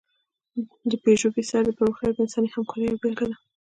د پيژو بېساری پرمختګ د انساني همکارۍ یوه بېلګه ده.